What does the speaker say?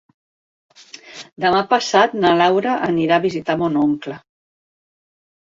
Demà passat na Laura anirà a visitar mon oncle.